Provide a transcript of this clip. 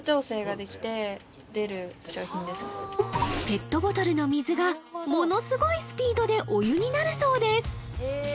ペットボトルの水がものすごいスピードでお湯になるそうです